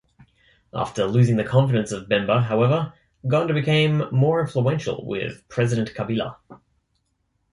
After losing the confidence of Bemba, however, Ghonda became more influential with President Kabila.